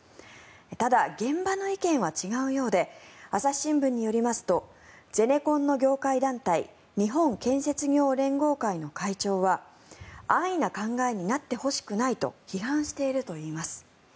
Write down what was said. ただ、現場の意見は違うようで朝日新聞によりますとゼネコンの業界団体日本建設業連合会の会長は安易な考えになってほしくないと批判しているといいます。